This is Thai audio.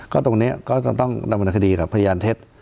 ตรงนี้ก็จะต้องดำเนินคดีกับพยานเท็จ